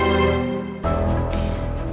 dan juga untuk keuntungan